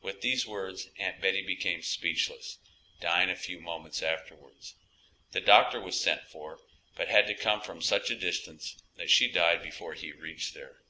With these words Aunt Betty became speechless, dying a few moments afterwards. The doctor was sent for, but had to come from such a distance that she died before he reached there.